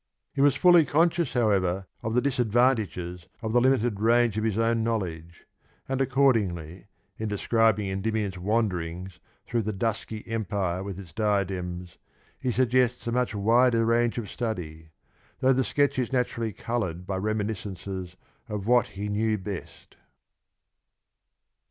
He was fully conscious, however, of the disadvantages of the limited range of his own knowledge, and accordingly in describing Endymion's wanderings through the " dusky empire with its diadems " he sug gests a much wider range of study, 'though the sketch is naturally coloured by reminiscences of what he knew best.